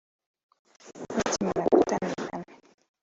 Bakimara gutandukana